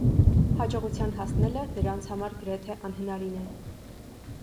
Հաջողության հասնելը նրանց համար գրեթե անհնարին է։